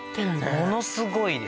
ものすごいです